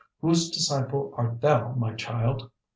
'Whose disciple art thou, my child?'